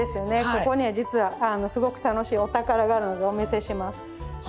ここね実はすごく楽しいお宝があるのでお見せします。